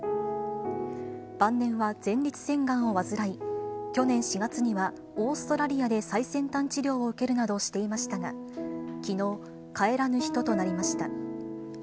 晩年は前立腺がんを患い、去年４月には、オーストラリアで最先端治療を受けるなどしていましたが、きのう、帰らぬ人となりました。